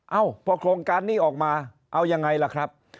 เอ้าพอโครงการนี้ออกมาเอายังไงล่ะครับ